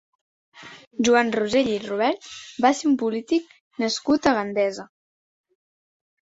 Joan Rosell i Rubert va ser un polític nascut a Gandesa.